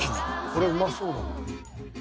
これうまそうだな。